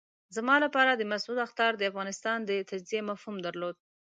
زما لپاره د مسعود اخطار د افغانستان د تجزیې مفهوم درلود.